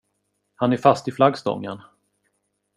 Han är fast i flaggstången.